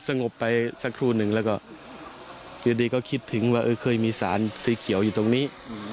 งบไปสักครู่หนึ่งแล้วก็อยู่ดีก็คิดถึงว่าเคยมีสารสีเขียวอยู่ตรงนี้